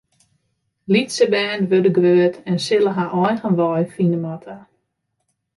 Lytse bern wurde grut en sille har eigen wei fine moatte.